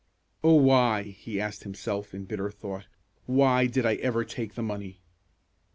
"Oh, why," he asked himself, in bitter thought, "why did I ever take the money?"